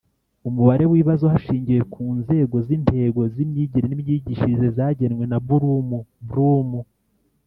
Umubare w'ibibazo hashingiwe ku nzego z'intego z'imyigire n'imyigishirize zagenwe na Bulumu (Bloom);